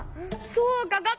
そうか。